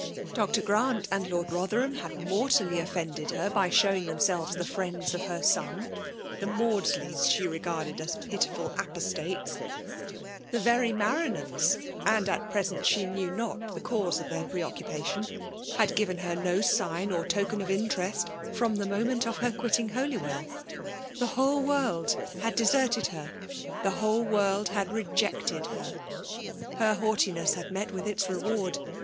Dr. Grant and Lord Botherfaam had mortaDy ofended her by shoving tSucm^eh'^ee the f]:)end» of her «oft; The Mftudsleys she regarded' as {nitifttlapQV' ^l(4e&i the very MaranhamB (add at presenl 9h9 knew not the cause of &eir pre oocapatun) bad given her no sign or tokba of ialereA from the .moment of her quitting Hotywell; The whole world had deserted her — ^the wholq world had rejected her. 'Her houghtinees haA met with its reward.